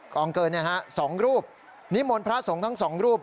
กองเกเนี่ยฮะ๒รูปนิมวลพระสงฆ์ทั้ง๒รูป